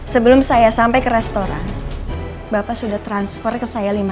sebelum saya sampai ke restoran bapak sudah transfer ke saya lima ratus juta